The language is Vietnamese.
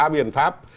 ba biện pháp